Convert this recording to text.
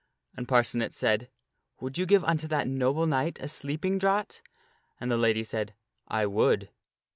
And Parcenet said, " Would you give unto that noble knight a sleeping draught?" And the lady said, " I would."